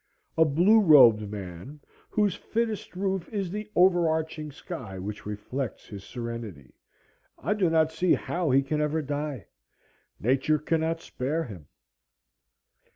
A blue robed man, whose fittest roof is the overarching sky which reflects his serenity. I do not see how he can ever die; Nature cannot spare him.